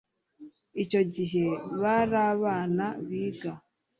icyo gihe bari abana biga